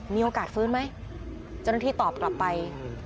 มีโอกาสฟื้นไหมเจ้าหน้าที่ตอบกลับไป